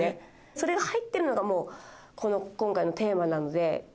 「それが入ってるのが今回のテーマなので」